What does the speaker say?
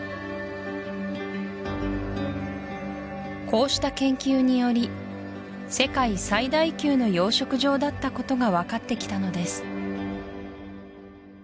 こうした研究により世界最大級の養殖場だったことが分かってきたのです